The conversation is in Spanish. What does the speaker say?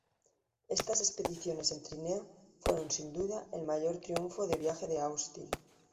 Estas expediciones en trineo fueron sin duda el mayor triunfo de viaje de Austin.